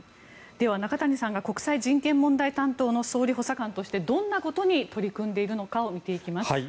では中谷さんが国際人権問題担当の総理補佐官としてどんなことに取り組んでいくのかを見ていきます。